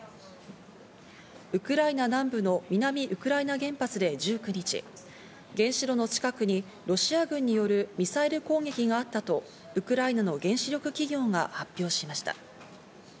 ウクライナ南部の南ウクライナ原発で１９日、原子炉の近くにロシア軍によるミサイル攻撃があったとウクライナの原子力企業が発表しました。